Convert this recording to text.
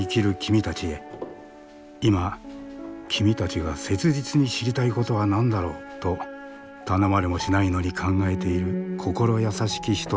今君たちが切実に知りたいことは何だろう？と頼まれもしないのに考えている心優しき人たちがいる。